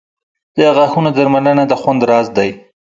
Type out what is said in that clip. • د غاښونو درملنه د خوند راز دی.